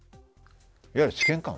いわゆる試験官？